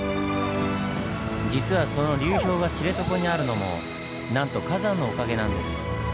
実はその流氷が知床にあるのもなんと火山のおかげなんです。